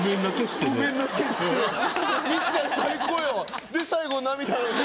「みっちゃん最高！」で最後。